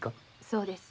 そうです。